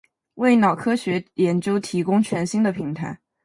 为脑科学研究提供全新的平台